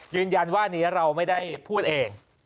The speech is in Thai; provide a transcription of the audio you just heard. ยืนยันว่านี้เราไม่ได้พูดเอง